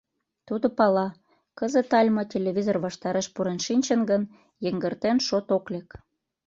Тудо пала, кызыт Альма телевизор ваштареш пурен шинчын гын, йыҥгыртен шот ок лек.